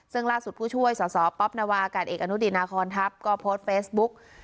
ซึ่งล่าสุดผู้ช่วยสอสอป๊อปนวากาศเอกอนุดีนาคอนทัพก็โพสต์เฟซบุ๊ก